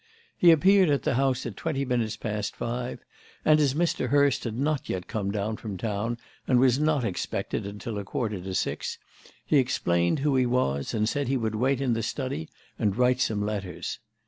He appeared at the house at twenty minutes past five, and as Mr. Hurst had not yet come down from town and was not expected until a quarter to six, he explained who he was and said he would wait in the study and write some letters.